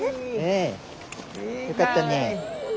よかったね。